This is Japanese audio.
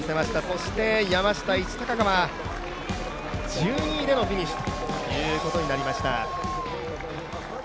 そして山下一貴は１２位でのフィニッシュということになりました。